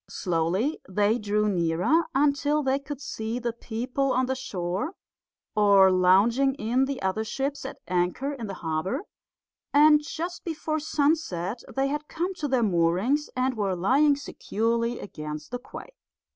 Slowly they drew nearer until they could see the people on the shore or lounging in the other ships at anchor in the harbour; and just before sunset they had come to their moorings and were lying securely against the quay.